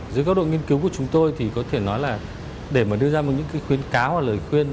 dưới góc độ nghiên cứu của chúng tôi thì có thể nói là để mà đưa ra những khuyến cáo và lời khuyên